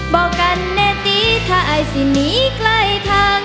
บอกกันแน่ตีถ้าไอ้สิหนีใกล้ทาง